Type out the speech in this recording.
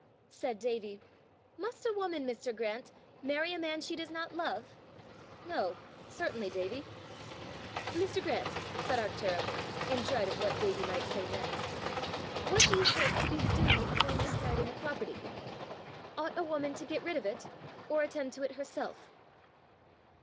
Said Davie, "Must a woman, Mr. Grant, marry a man she does not love?" "No, certainly, Davie." "Mr. Grant," said Arctura, in dread of what Davie might say next, "what do you take to be the duty of one inheriting a property? Ought a woman to get rid of it, or attend to it herself?"